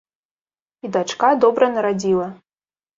І дачка добра нарадзіла.